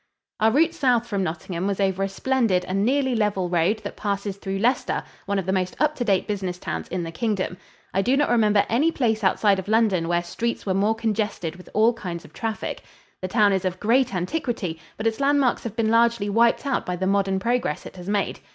Our route south from Nottingham was over a splendid and nearly level road that passes through Leicester, one of the most up to date business towns in the Kingdom. I do not remember any place outside of London where streets were more congested with all kinds of traffic. The town is of great antiquity, but its landmarks have been largely wiped out by the modern progress it has made.